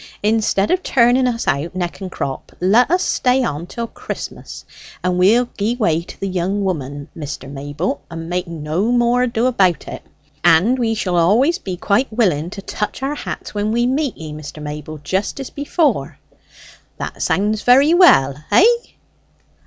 Instead of turning us out neck and crop, let us stay on till Christmas, and we'll gie way to the young woman, Mr. Mayble, and make no more ado about it. And we shall always be quite willing to touch our hats when we meet ye, Mr. Mayble, just as before.' That sounds very well? Hey?"